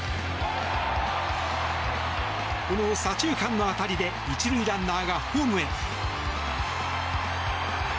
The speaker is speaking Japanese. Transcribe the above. この左中間の当たりで１塁ランナーがホームへ！